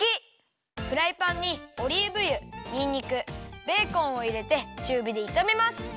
フライパンにオリーブ油にんにくベーコンをいれてちゅうびでいためます。